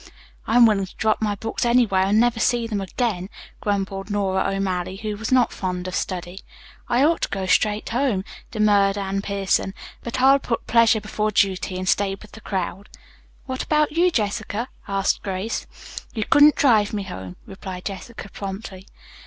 "I'm willing to drop my books anywhere and never see them again," grumbled Nora O'Malley, who was not fond of study. "I ought to go straight home," demurred Anne Pierson, "but I'll put pleasure before duty and stay with the crowd." "What about you, Jessica?" asked Grace. "You couldn't drive me home," replied Jessica promptly.